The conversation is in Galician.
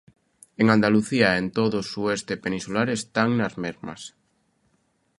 En Andalucía e en todo o sueste peninsular están nas mesmas.